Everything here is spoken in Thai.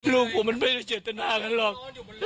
ลูกผมมันไม่ได้เจตนากันหรอก